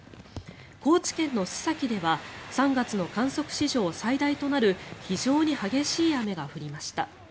高知県の須崎では３月の観測史上最大となる非常に激しい雨が降りました。